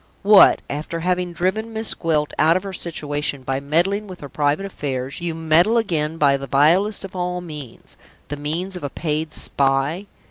What! after having driven Miss Gwilt out of her situation by meddling with her private affairs, you meddle again by the vilest of all means the means of a paid spy?